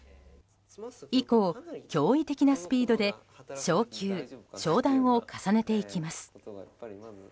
以降、驚異的なスピードで昇級・昇段を重ねていきます。